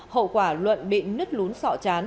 hậu quả luận bị nứt lún sọ chán